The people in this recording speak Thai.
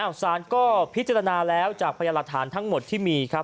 สารก็พิจารณาแล้วจากพยานหลักฐานทั้งหมดที่มีครับ